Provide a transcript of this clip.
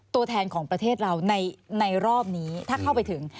ตัวแทนของประเทศเราในรอบนี้ถ้าเข้าไปถึง